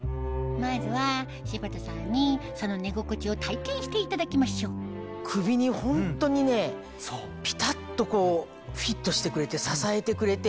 まずは柴田さんにその寝心地を体験していただきましょう首にホントにねピタっとこうフィットしてくれて支えてくれて。